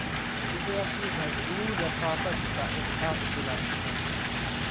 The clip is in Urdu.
اُسے اپنی بھر پور رفاقت کا احساس دلاتی ہے